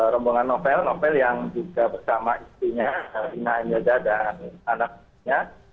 rombongan novel novel yang juga bersama istrinya ina emilda dan anaknya